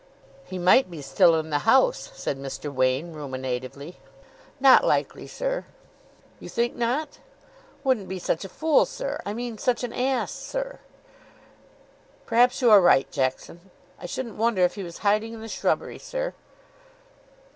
"He might be still in the house," said Mr. Wain, ruminatively. "Not likely, sir." "You think not?" "Wouldn't be such a fool, sir. I mean, such an ass, sir." "Perhaps you are right, Jackson." "I shouldn't wonder if he was hiding in the shrubbery, sir."